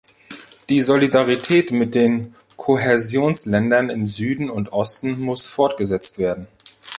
Die Solidarität mit den Kohäsionsländern im Süden und Osten muss fortgesetzt werden.